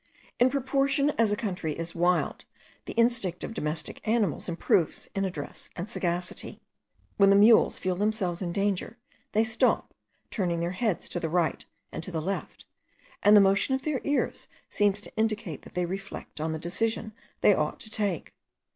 In proportion as a country is wild, the instinct of domestic animals improves in address and sagacity. When the mules feel themselves in danger, they stop, turning their heads to the right and to the left; and the motion of their ears seems to indicate that they reflect on the decision they ought to take.